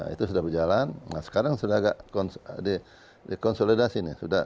itu sudah berjalan nah sekarang sudah agak dikonsolidasi nih